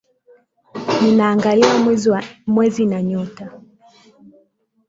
Ninaangalia mwezi na nyota